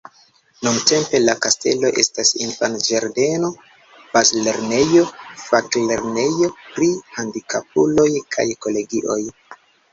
Nuntempe la kastelo estas infanĝardeno, bazlernejo, faklernejo pri handikapuloj kaj kolegio.